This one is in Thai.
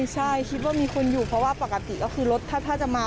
ใช่คิดว่ามีคนอยู่เพราะว่าปกติก็คือรถถ้าจะมา